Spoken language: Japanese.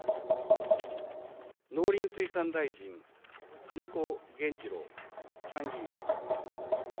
農林水産大臣、金子原二郎、参議院。